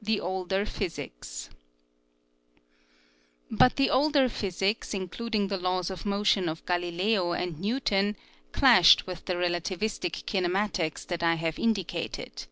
THE OLDER PHYSICS But the older physics, including the laws of motion of Galileo and Newton, clashed with the relativistic kinematics that I have indi cated.